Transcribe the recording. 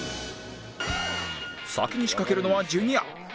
先に仕掛けるのはジュニア